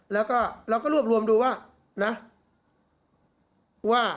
แล้วก็รวบรวมดูว่า